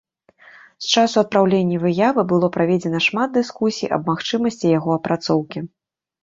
З часу адпраўлення выявы было праведзена шмат дыскусій аб магчымасці яго апрацоўкі.